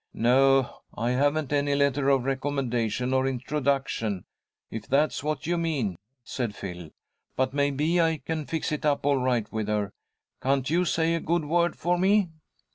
"No, I haven't any letter of recommendation or introduction, if that's what you mean," said Phil, "but maybe I can fix it up all right with her. Can't you say a good word for me?"